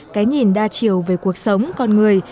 cái nhìn đa chiều về cuộc sống con người